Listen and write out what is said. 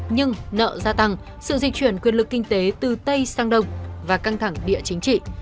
nhưng nợ gia tăng sự dịch chuyển quyền lực kinh tế từ tây sang đông và căng thẳng địa chính trị